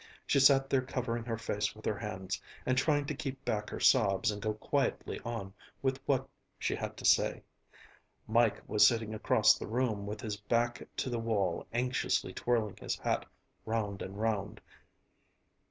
She sat there covering her face with her hands, and trying to keep back her sobs and go quietly on with what she had to say. Mike was sitting across the room with his back to the wall anxiously twirling his hat round and round.